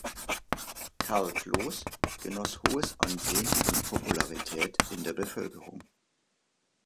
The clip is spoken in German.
Karl Kloß genoss hohes Ansehen und Popularität in der Bevölkerung.